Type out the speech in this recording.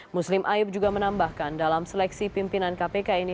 muslim aib juga menambahkan dalam seleksi pimpinan kpk ini